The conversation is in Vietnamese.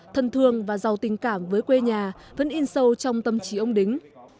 thân thương và giàu tình cảm với quê nhà vẫn in sâu trong tâm trí ông đính